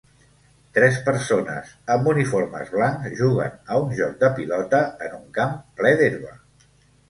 Tres persones amb uniformes blancs juguen a un joc de pilota en un camp ple d'herba.